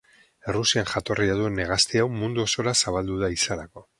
Errusian jatorria duen hegazti hau mundu osora zabaldu da ehizarako.